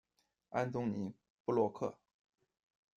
安东尼·布洛克。